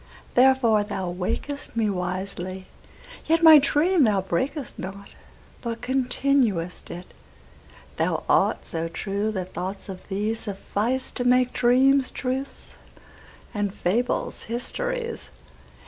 Therefore thou waked'st me wisely; yetMy dream thou brak'st not, but continued'st it:Thou art so true that thoughts of thee sufficeTo make dreams truths and fables histories.